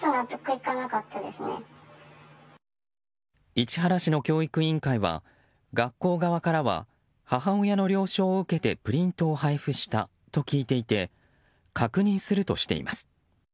市原市の教育委員会は学校側からは母親の了承を受けてプリントを配布したと聞いていて確認するとしています。